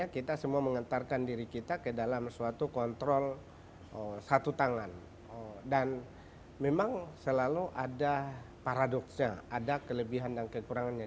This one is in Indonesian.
ke dalam suatu kontrol satu tangan dan memang selalu ada paradoksnya ada kelebihan dan kekurangannya